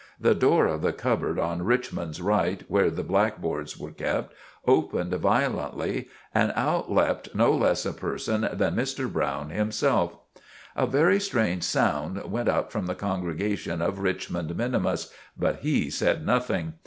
The door of the cupboard on Richmond's right, where the blackboards were kept, opened violently and out leapt no less a person than Mr. Browne himself! A very strange sound went up from the congregation of Richmond minimus, but he said nothing.